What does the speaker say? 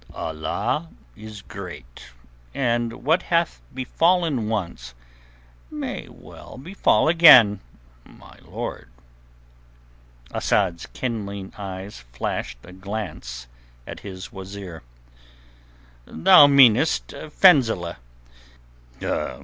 "Allah is great, and what hath befallen once may well befall again, my lord." Asad's kindling eyes flashed a glance at his wazeer. "Thou meanest Fenzileh.